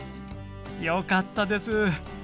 よかったです。